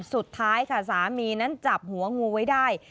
สุดท้ายค่ะสามีนั้นจับหัวงูไว้ได้